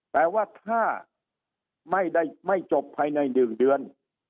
แต่ว่าถ้าไม่ได้จบภายใน๑เดือน